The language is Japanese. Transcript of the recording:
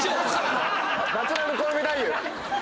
ナチュラルコウメ太夫！